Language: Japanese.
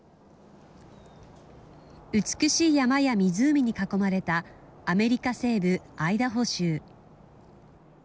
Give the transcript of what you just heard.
美しい山や湖に囲まれたアメリカ西部アイダホ州。